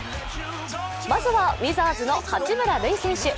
まずはウィザーズの八村塁選手。